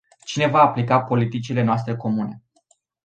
Cine va aplica politicile noastre comune?